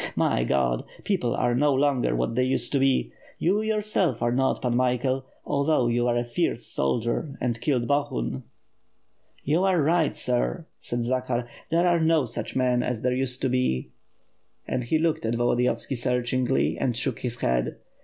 My God! people are no longer what they used to be; you, your self, are not, Pan Michael, although you are a fierce soldier, and killed Bohun.'^ "You are right, sir," said Zakhar, "there are no such men as there used to be." And he looked at Volodiyovski searchingly and shook his head.